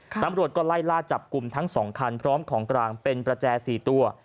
ตำรวจก็ไล่ล่าจับกลุ่มทั้ง๒คันพร้อมของกลางเป็นประแจ๔ตัว